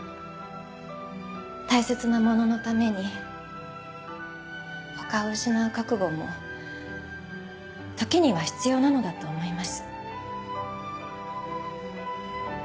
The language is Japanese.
大切なもののために他を失う覚悟も時には必要なのだと思います。